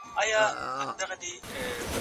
ما خپله خور د مکتب لپاره تیاره کړه.